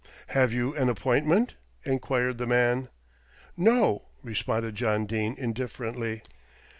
"Have you an appointment?" enquired the man. "No," responded John Dene indifferently.